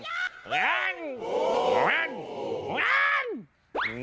งั้งงั้งงั้ง